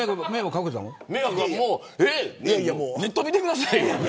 ネットで見てください。